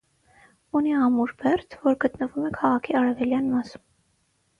Ունի ամուր բերդ, որ գտնվում է քաղաքի արևելյան մասում։